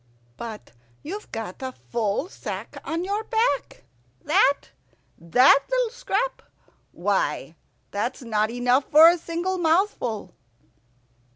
"But you've got a full sack on your back." "That that little scrap! Why, that's not enough for a single mouthful."